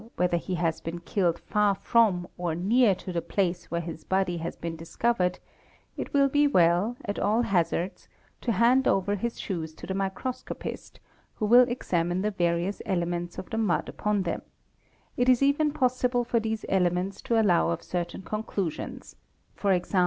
whether he has been killed far from or near to the | place where his body has been discovered, it will be well, at all hazards, f to hand over his shoes to the microscopist who will examine the various — elements of the mud upon them; it is even possible for these elements to — allow of certain conclusions; ag.